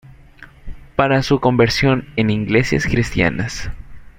Para su conversión en iglesias cristianas.